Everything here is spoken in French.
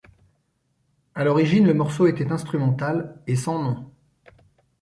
À l'origine le morceau était instrumental, et sans nom.